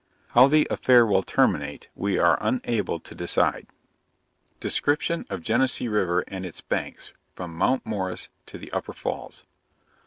How the affair will terminate, we are unable to decide. DESCRIPTION OF GENESEE RIVER AND ITS BANKS, FROM MOUNT MORRIS TO THE UPPER FALLS.